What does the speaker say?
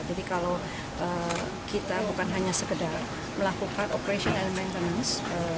jadi kalau kita bukan hanya sekedar melakukan operation and maintenance